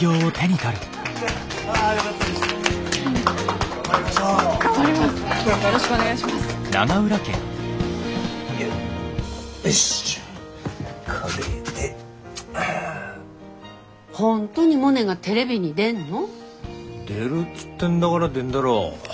出るっつってんだがら出んだろう。